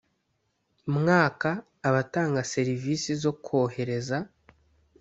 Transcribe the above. mwaka abatanga serivisi zo kwohereza